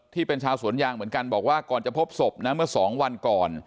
ที่เป็นชาวสวนยางเหมือนกันบอกว่าก่อนจะพบศพนะเมื่อสองวันก่อน